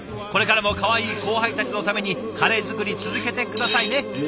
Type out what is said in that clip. これからもかわいい後輩たちのためにカレー作り続けて下さいね。